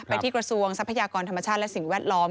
ที่กระทรวงทรัพยากรธรรมชาติและสิ่งแวดล้อม